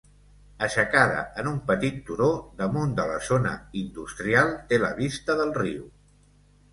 Aixecada en un petit turó, damunt de la zona industrial, té la vista del riu.